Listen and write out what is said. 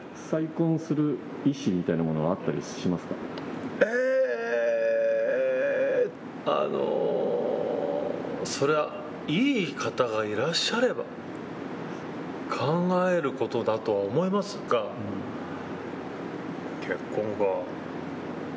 再婚する意思みたいなものはえー、あのー、それは、いい方がいらっしゃれば、考えることだとは思いますが、結婚かぁ。